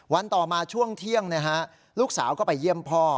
ต่อมาช่วงเที่ยงลูกสาวก็ไปเยี่ยมพ่อ